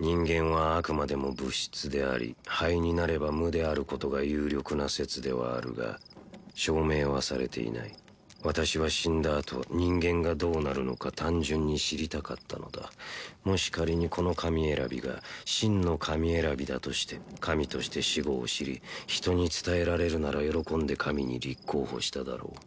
人間はあくまでも物質であり灰になれば無であることが有力な説ではあるが証明はされていない私は死んだあと人間がどうなるのか単純に知りたかったのだもし仮にこの神選びが真の神選びだとして神として死後を知り人に伝えられるなら喜んで神に立候補しただろう